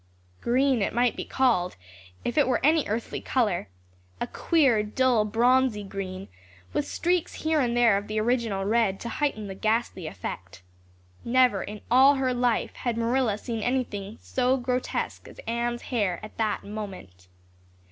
_" Green it might be called, if it were any earthly color a queer, dull, bronzy green, with streaks here and there of the original red to heighten the ghastly effect. Never in all her life had Marilla seen anything so grotesque as Anne's hair at that moment.